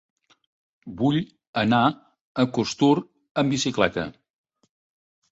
Vull anar a Costur amb bicicleta.